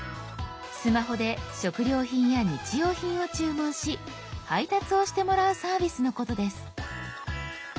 スマホで食料品や日用品を注文し配達をしてもらうサービスのことです。